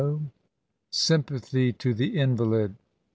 11 SYMPATHY TO THE INVALID.